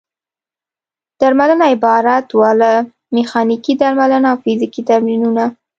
درملنه عبارت وه له: میخانیکي درملنه او فزیکي تمرینونه.